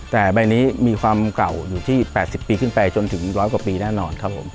แต่ใบนี้มีความเก่าอยู่ที่๘๐ปีขึ้นไปจนถึง๑๐๐กว่าปีแน่นอนครับผม